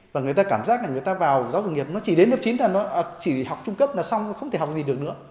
và người ta cảm giác là người ta vào giáo dục nghiệp nó chỉ đến lớp chín thôi chỉ học trung cấp là xong không thể học gì được nữa